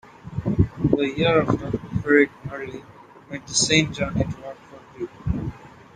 The year after, Fred Varley made the same journey to work for Grip.